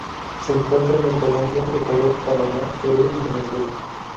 Se encuentran en Colombia, Ecuador, Panamá, Perú, y Venezuela.